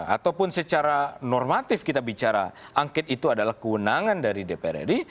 ataupun secara normatif kita bicara angkit itu adalah kewenangan dari dprd